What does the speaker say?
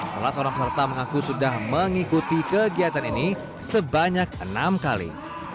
salah seorang peserta mengaku sudah mengikuti kegiatan ini sebanyak enam kali